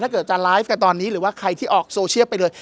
เกิดจะไลฟ์กันตอนนี้หรือว่าใครที่ออกโซเชียลไปเลย